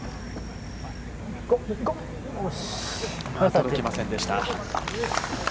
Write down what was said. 届きませんでした。